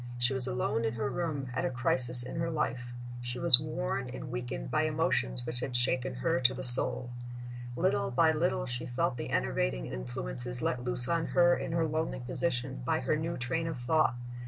She was alone in her room, at a crisis in her life. She was worn and weakened by emotions which had shaken her to the soul. Little by little she felt the enervating influences let loose on her, in her lonely position, by her new train of thought.